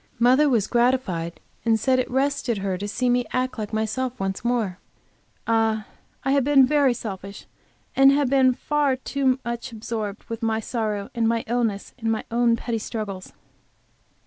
Mother was gratified, and said it rested her to see me act like myself once more. Ah, I have been very selfish, and have been far too much absorbed with my sorrow and my illness and my own petty struggles.